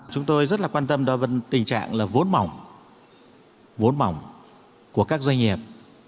chúng tôi rất là quan tâm đối với tình trạng là vốn mỏng vốn mỏng của các doanh nghiệp